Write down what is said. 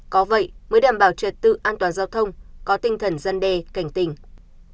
có vậy mới đảm bảo trật tự an toàn giao thông có tinh thần dân đề cảnh tình